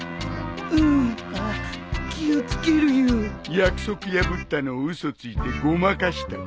約束破ったのを嘘ついてごまかしたり。